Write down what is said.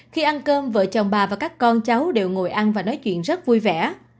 khi ăn cơm vợ chồng bà và các con cháu đều ngồi ăn và nói chuyện rất vui vẻ